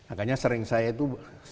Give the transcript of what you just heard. akhirnya sering saya itu